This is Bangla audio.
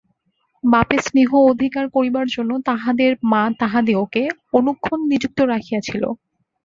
বাপের স্নেহ অধিকার করিবার জন্য তাহাদের মা তাহাদিগকে অনুক্ষণ নিযুক্ত রাখিয়াছিল।